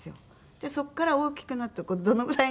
でそこから大きくなってどのぐらいが。